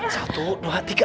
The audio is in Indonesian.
satu dua tiga